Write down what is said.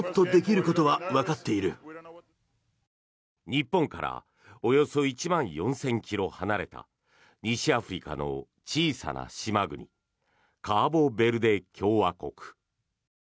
日本からおよそ１万４０００ｋｍ離れた西アフリカの小さな島国カボベルデ共和国。